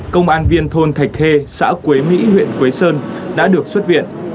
công an viên thôn thạch khê xã quế mỹ huyện quế sơn đã được xuất viện